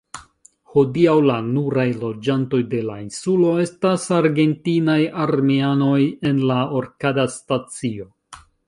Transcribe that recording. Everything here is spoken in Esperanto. Hodiaŭ la nuraj loĝantoj de la insulo estas argentinaj armeanoj en la Orcadas-stacio.